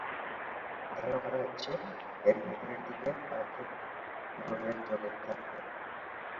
ধারণা করা হচ্ছে, এর ভেতরের দিকে পার্থিব গ্রহের জগৎ থাকবে।